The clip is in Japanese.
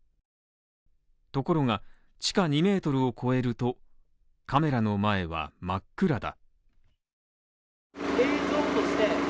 ところが、地下２ｍを超えると、カメラの前は真っ暗だ。